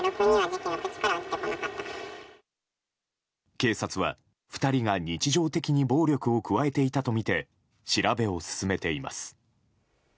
警察は２人が日常的に暴力を加えていたとみて調べを進めています。